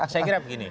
saya kira begini